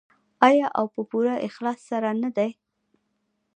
آیا او په پوره اخلاص سره نه دی؟